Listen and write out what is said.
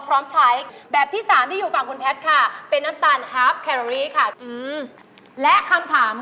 ขอคำถามข้อ๑เลยคะแขตเชียวหม่า